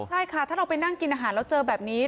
ใช่ค่ะถ้าเราไปนั่งกินอาหารแล้วเจอแบบนี้